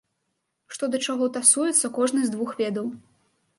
Што да чаго тасуецца, кожны з двух ведаў.